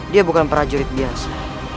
dia bukan prajurit biasa